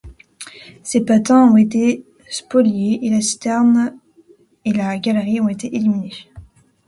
Ces patins ont été spoliés, et la citerne et la galerie ont été éliminée.